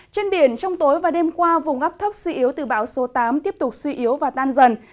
trên biển trong tối và đêm qua vùng ấp thấp suy yếu từ bão số tám tiếp tục suy yếu và tan dần